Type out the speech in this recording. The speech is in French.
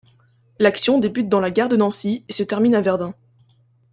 L'action débute dans la gare de Nancy et se termine à Verdun.